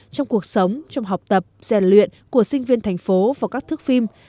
trong cuộc sống trong học tập dạy luyện của sinh viên thành phố và các thức phim